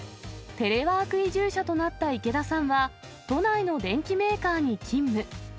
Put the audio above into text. テレワーク移住者となった池田さんは、都内の電機メーカーに勤務。